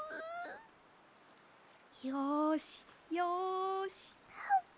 よしよし。